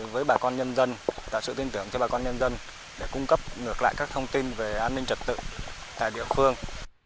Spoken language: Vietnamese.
với bà con nhân dân tạo sự tin tưởng cho bà con nhân dân để cung cấp ngược lại các thông tin về an ninh trật tự tại địa phương